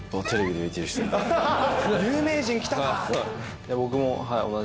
「有名人来たか！」。